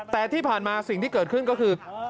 แต่ที่ผ่านมาสิ่งที่เกิดขึ้นก็คือ